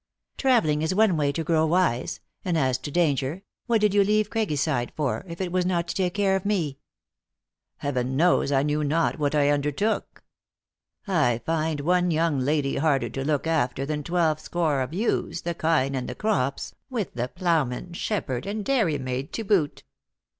" Traveling is one way to grow wise ; and as to danger, what did you leave Craiggyside for, if it was not to take care of me ?"" Heaven knows I knew not what I undertook. I find one young lady harder to look after than twelve score of ewes, the kine, and the crops, with the ploughmen, shepherd, and dairy maid to boot."